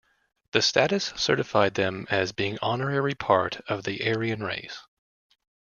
The status certified them as being honorarily part of the Aryan race.